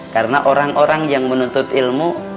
karena orang orang yang menuntut ilmu